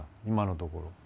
今のところ。